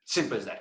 sama seperti itu